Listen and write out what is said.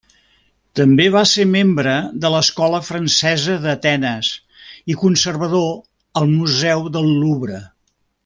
També va ser membre de l'Escola francesa d'Atenes i conservador al museu del Louvre.